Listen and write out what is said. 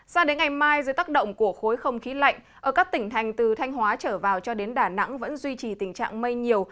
sao đến ngày mai dưới tác động của khối không khí lạnh ở các tỉnh thành từ thanh hóa trở vào cho đến đà nẵng vẫn duy trì tình trạng mây nhiều